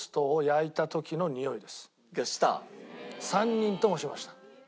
３人ともしました。